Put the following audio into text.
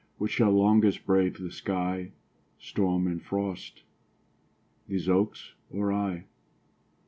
Which shall longest brave the sky, Storm and frost these oaks or I?